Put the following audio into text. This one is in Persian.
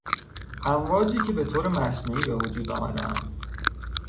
امواجی که به طور مصنوعی به وجود آمدهاند